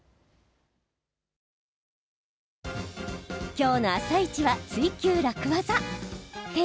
今日の「あさイチ」は「ツイＱ楽ワザ」。